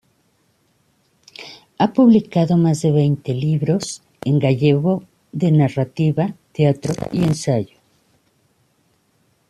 Ha publicado más de veinte libros en gallego de narrativa, teatro y ensayo.